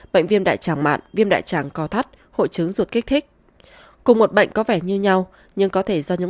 bệnh viêm đại tràng mạng viêm đại tràng co thắt hội chứng ruột kích thích cùng một bệnh có vẻ như nhau nhưng có thể do những